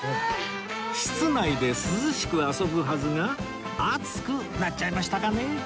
室内で涼しく遊ぶはずが熱くなっちゃいましたかね